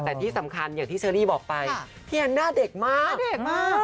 แต่ที่สำคัญอย่างที่เชอรี่บอกไปพี่แอนหน้าเด็กมากเด็กมาก